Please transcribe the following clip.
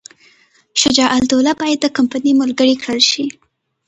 شجاع الدوله باید د کمپنۍ ملګری کړل شي.